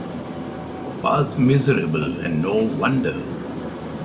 Pa's miserable, and no wonder!